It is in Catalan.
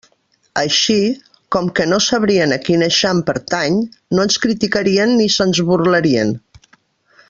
Així, com que no sabrien a quin eixam pertany, no ens criticarien ni se'ns burlarien.